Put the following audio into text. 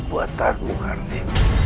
buat tanggung kardi